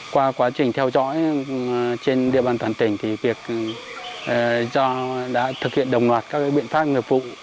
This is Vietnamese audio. qua quá trình theo dõi trên địa bàn toàn tỉnh thì việc do đã thực hiện đồng loạt các biện pháp nghiệp vụ